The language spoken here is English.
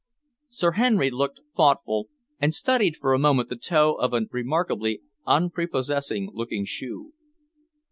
Sir Henry looked thoughtful, and studied for a moment the toe of a remarkably unprepossessing looking shoe.